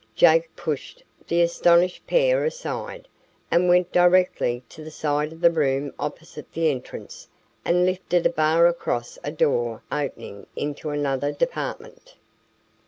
Jake pushed the astonished pair aside, and went directly to the side of the room opposite the entrance and lifted a bar across a door opening into another department.